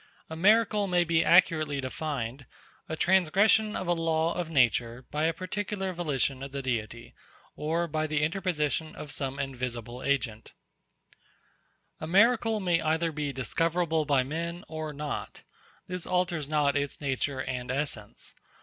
A miracle may be accurately defined, _a transgression of a law of nature by a particular volition of the Deity, or by the interposition of some invisible agent_. A miracle may either be discoverable by men or not. This alters not its nature and essence.